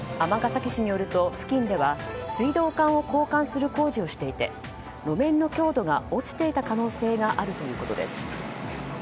尼崎市によると付近では、水道管を交換する工事をしていて路面の強度が落ちていた可能性があるということです。